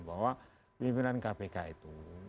bahwa pemerintahan kpk itu